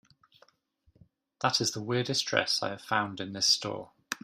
That is the weirdest dress I have found in this store.